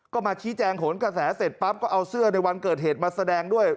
ก็มาชี้แจงขนกระแสเสร็จปั๊บก็เอาเสื้อในวันเกิดเหตุมาแสดงด้วย